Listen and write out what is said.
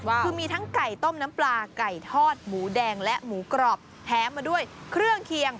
คือมีทั้งไก่ต้มน้ำปลาไก่ทอดหมูแดงและหมูกรอบแถมมาด้วยเครื่องเคียง